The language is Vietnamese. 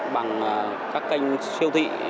bằng các kênh siêu thị